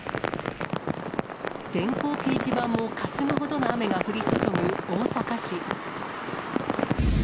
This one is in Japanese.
電光掲示板もかすむほどの雨が降り注ぐ大阪市。